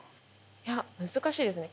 いや難しいですね。